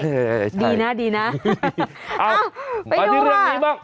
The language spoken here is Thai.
ใช่ใช่ดีนะดีนะไปดูค่ะอ้าวอันนี้เรื่องนี้บ้าง